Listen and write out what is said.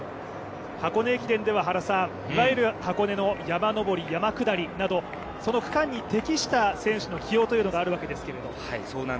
箱根駅伝ではいわゆる箱根の山登り、山下りなどその区間に適した選手の起用というのがあるわけですけども。